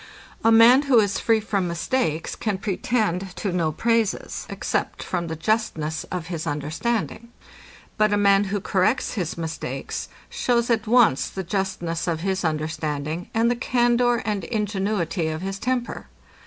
A man, who is free from mistakes, can pretend to no praises, except from the justness of his understanding: But a man, who corrects his mistakes, shews at once the justness of his understanding, and the candour and ingenuity of his temper.